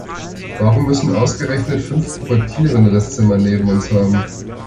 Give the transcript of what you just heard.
Warum müssen ausgerechnet fünf Pubertierende das Zimmer neben uns haben?